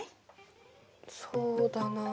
そうだなあ。